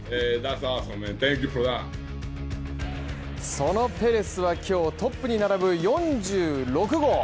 そのペレスは今日、トップに並ぶ４６号。